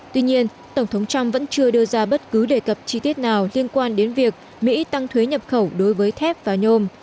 tuy nhiên tổng thống trump vẫn chưa đưa ra bất cứ đề cập chi tiết nào liên quan đến việc mỹ tăng thuế nhập khẩu đối với thép và nhôm